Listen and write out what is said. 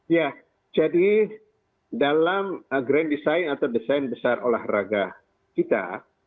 ya jadi dalam grand design atau desain besar olahraga kita